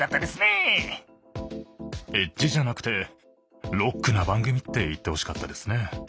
エッジじゃなくて「ロックな番組」って言ってほしかったですね。